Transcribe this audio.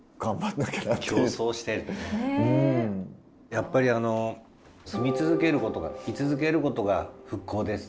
やっぱりあの「住み続けることが居続けることが復興です」。